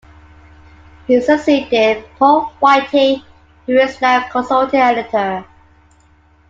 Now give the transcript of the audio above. He succeeded Paul Whiting, who is now Consulting Editor.